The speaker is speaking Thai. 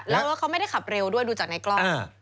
แล้วรถเขาไม่ได้ขับเร็วด้วยดูจากในกล้อง